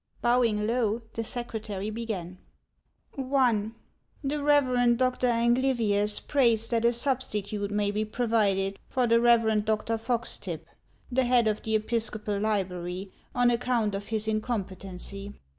Bowing low, the secretary began :—" 1. The Eev. Dr. Anglyvius prays that a substitute may be provided for the Rev. Dr. Foxtipp, the head of the Episcopal library, on account of his incompetency.